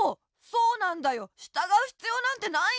そうなんだよしたがうひつようなんてないんだよ。